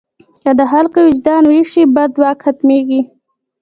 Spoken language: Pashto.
که د خلکو وجدان ویښ شي، بد واک ختمېږي.